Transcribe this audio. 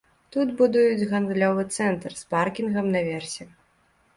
Тут будуюць гандлёвы цэнтр з паркінгам на версе.